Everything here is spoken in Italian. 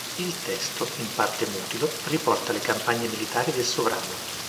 Il testo, in parte mutilo, riporta le campagne militari del sovrano.